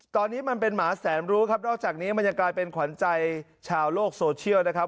ตอนนี้มันเป็นหมาแสนรู้ครับนอกจากนี้มันยังกลายเป็นขวัญใจชาวโลกโซเชียลนะครับ